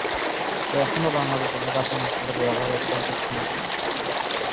এখনও বাংলাদেশে আগাছানাশকের ব্যবহার অত্যন্ত সীমিত।